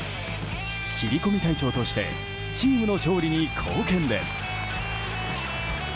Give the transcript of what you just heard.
切り込み隊長としてチームの勝利に貢献です。